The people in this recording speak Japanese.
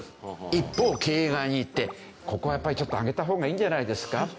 一方経営側に行って「ここはやっぱりちょっと上げた方がいいんじゃないですか？」